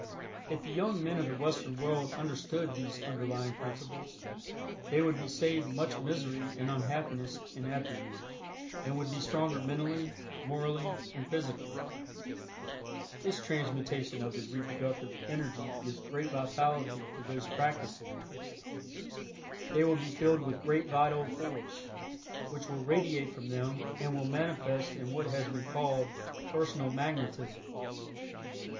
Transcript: If the young men of the Western world understood these underlying principles they would be saved much misery and unhappiness in after years, and would be stronger mentally, morally and physically. This transmutation of the reproductive energy gives great vitality to those practicing it. They will be filled with great vital force, which will radiate from them and will manifest in what has been called "personal magnetism."